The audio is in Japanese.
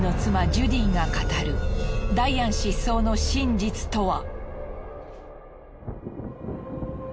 ジュディが語るダイアン失踪の真実とは。